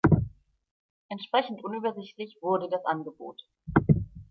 Entsprechend unübersichtlich wurde das Angebot.